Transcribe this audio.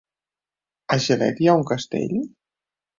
A Gilet hi ha un castell?